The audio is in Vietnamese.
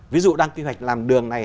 ví dụ đang quy hoạch làm đường này